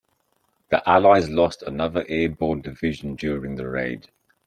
The allies lost another airborne division during the raid.